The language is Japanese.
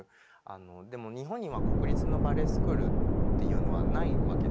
でも日本には国立のバレエスクールっていうのはないわけですよね。